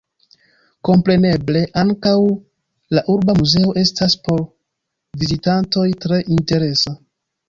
Kompreneble ankaŭ la urba muzeo estas por vizitantoj tre interesa.